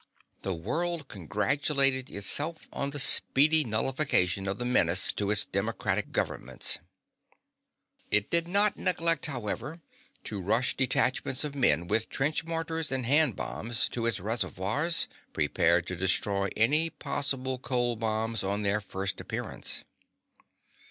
The world congratulated itself on the speedy nullification of the menace to its democratic governments. It did not neglect, however, to rush detachments of men with trench mortars and hand bombs to its reservoirs, prepared to destroy any possible cold bombs on their first appearance.